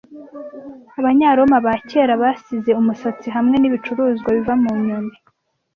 Abanyaroma ba kera basize umusatsi hamwe nibicuruzwa biva mu nyoni